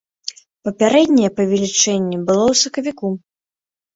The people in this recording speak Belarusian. Папярэдняе павелічэнне было ў сакавіку.